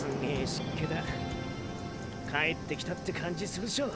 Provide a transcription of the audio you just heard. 帰ってきたって感じするショ！